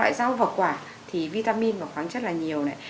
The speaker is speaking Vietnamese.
loại rau và quả thì vitamin và khoáng chất là nhiều này